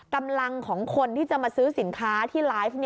กำลังของคนที่จะมาซื้อสินค้าที่ไลฟ์